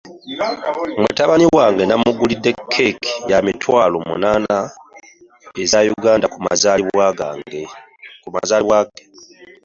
Mutabani wange namugulidde kekke yamitwalo munana eza Uganda ku mazalibwa ge.